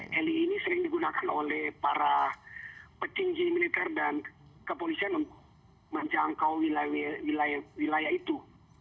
heli ini sering digunakan oleh para petinggi militer dan kepolisian untuk menjangkau wilayah itu